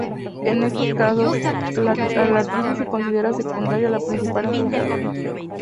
En estos caso, la artritis se considera secundaria a la principal enfermedad.